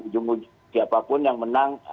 jumlah siapapun yang menang